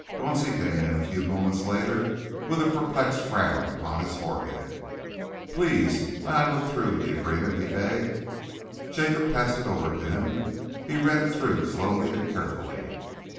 Dauncey came in, a few moments later, with a perplexed frown upon his forehead. "Please may I look through the agreement?" he begged. Jacob passed it over to him. He read it through slowly and carefully.